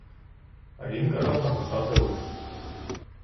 А він казав написати лист.